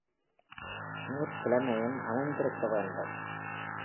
நூற் புலமையும் அமைந்திருக்க வேண்டும்.